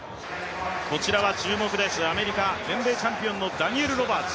こちらは注目です、アメリカ全米チャンピオン、ダニエル・ロバーツ。